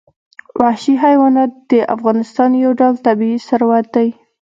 وحشي حیوانات د افغانستان یو ډول طبعي ثروت دی.